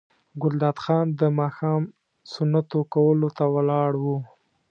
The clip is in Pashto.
ګلداد خان د ماښام سنتو کولو ته ولاړ و.